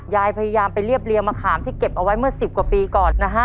ยายพยายามไปเรียบเรียงมะขามที่เก็บเอาไว้เมื่อ๑๐กว่าปีก่อนนะฮะ